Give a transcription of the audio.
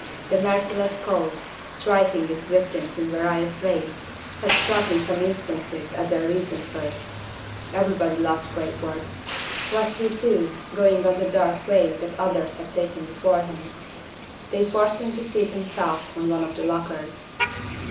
The merciless cold, striking its victims in various ways, had struck in some instances at their reason first. Everybody loved Crayford. Was he, too, going on the dark way that others had taken before him? They forced him to seat himself on one of the lockers.